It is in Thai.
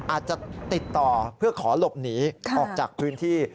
อาจจะติดต่อเพื่อขอหลบหนีออกจากพื้นที่